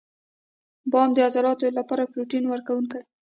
• بادام د عضلاتو لپاره پروټین ورکوي.